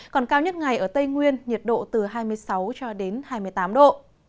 còn cao nhất ngày ở tây nguyên nhiệt độ từ hai mươi sáu cho đến hai mươi tám độ